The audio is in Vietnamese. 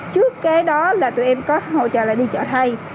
trước cái đó là tụi em có hỗ trợ là đi trở thay